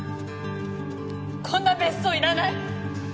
こんな別荘いらない。